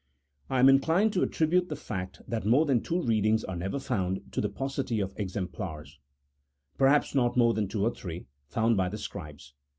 I am in clined to attribute the fact that more than two readings are never found to the paucity of exemplars, perhaps not more than two or three, found by the scribes.